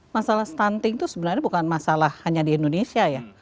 masalah stunting itu sebenarnya bukan masalah hanya di indonesia ya